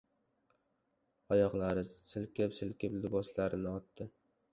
Oyoqlarini silkib-silkib, liboslarini otdi.